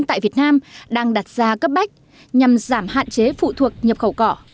tại việt nam đang đặt ra cấp bách nhằm giảm hạn chế phụ thuộc nhập khẩu cỏ